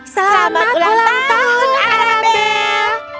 selamat ulang tahun arabelle